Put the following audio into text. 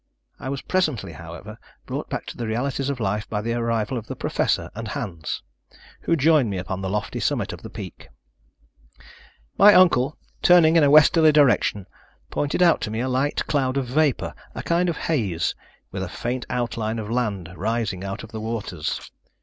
I was presently, however, brought back to the realities of life by the arrival of the Professor and Hans, who joined me upon the lofty summit of the peak. My uncle, turning in a westerly direction, pointed out to me a light cloud of vapor, a kind of haze, with a faint outline of land rising out of the waters.